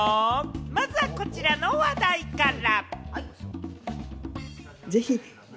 まずはこちらの話題から。